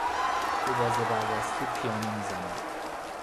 او با زبر دستی پیانو میزند.